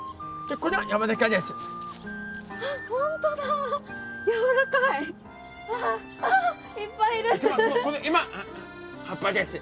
これ葉っぱです。